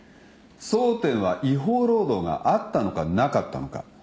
争点は違法労働があったのかなかったのか。